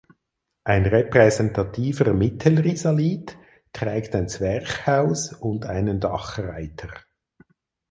Ein repräsentativer Mittelrisalit trägt ein Zwerchhaus und einen Dachreiter.